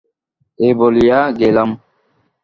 এই বলিয়া গেলাম।